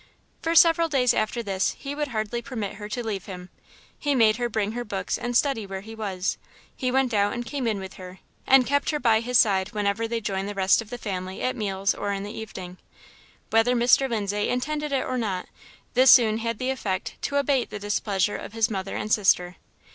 For several days after this he would hardly permit her to leave him. He made her bring her books and study where he was, he went out and came in with her, and kept her by his side whenever they joined the rest of the family at meals or in the evening. Whether Mr. Lindsay intended it or not, this soon had the effect to abate the displeasure of his mother and sister.